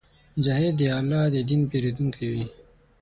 مجاهد د الله د دین پېرودونکی وي.